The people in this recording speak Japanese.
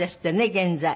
現在。